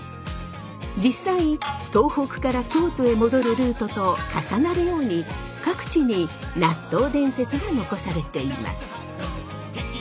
実際東北から京都へ戻るルートと重なるように各地に納豆伝説が残されています。